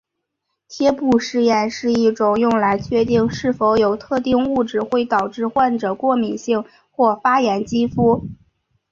贴布试验是一种用来确定是否有特定物质会导致患者过敏性或发炎肌肤。